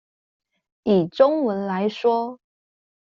以中文來說